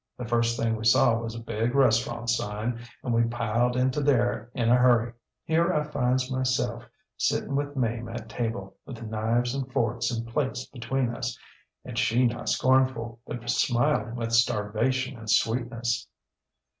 The first thing we saw was a big restaurant sign, and we piled into there in a hurry. Here I finds myself sitting with Mame at table, with knives and forks and plates between us, and she not scornful, but smiling with starvation and sweetness.